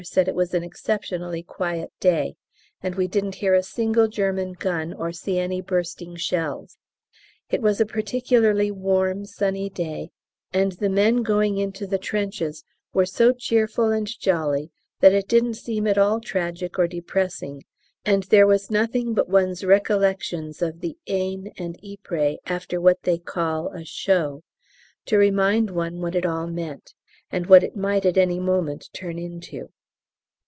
said it was an exceptionally quiet day, and we didn't hear a single German gun or see any bursting shells. It was a particularly warm sunny day, and the men going into the trenches were so cheerful and jolly that it didn't seem at all tragic or depressing, and there was nothing but one's recollections of the Aisne and Ypres after what they call "a show" to remind one what it all meant and what it might at any moment turn into.